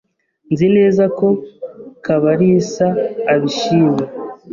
Nzi neza ko Kabalisa abishima.